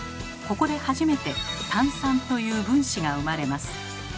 ここで初めて「炭酸」という分子が生まれます。